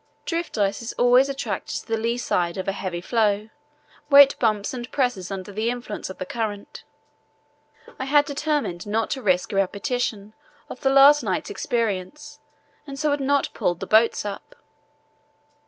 Drift ice is always attracted to the lee side of a heavy floe, where it bumps and presses under the influence of the current. I had determined not to risk a repetition of the last night's experience and so had not pulled the boats up.